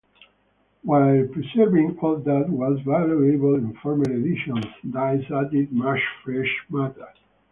While preserving all that was valuable in former editions, Dyce added much fresh matter.